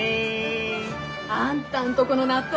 あんたんとこの納豆